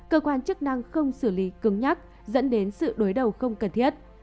cơ quan chức năng không xử lý cứng nhắc dẫn đến sự đối đầu không cần thiết